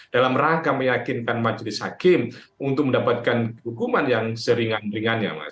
dalam rangka meyakinkan majelis hakim untuk mendapatkan hukuman yang seringan ringannya mas